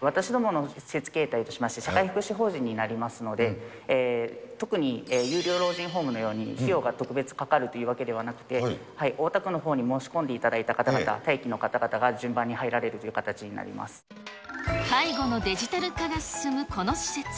私どもの施設形態としまして、社会福祉法人になりますので、特に有料老人ホームのように費用が特別かかるというわけではなくて、大田区のほうに申し込んでいただいた方々、待機の方々が順番介護のデジタル化が進むこの施設。